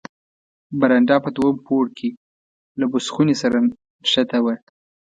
برنډه په دوهم پوړ کې له بوس خونې سره نښته وه.